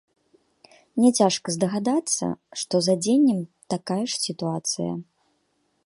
Няцяжка здагадацца, што з адзеннем такая ж сітуацыя.